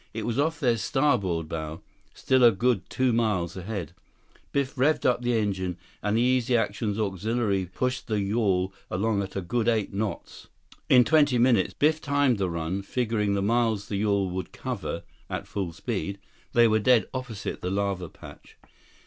It was off their starboard bow, still a good two miles ahead. Biff revved up the engine, and the Easy Action's auxiliary pushed the yawl along at a good eight knots. In twenty minutes—Biff timed the run, figuring the miles the yawl would cover at full speed—they were dead opposite the lava patch.